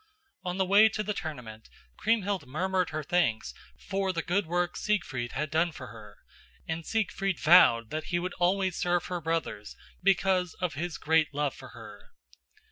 On the way to the tournament Kriemhild murmured her thanks for the good work Siegfried had done for her, and Siegfried vowed that he would always serve her brothers because of his great love for her.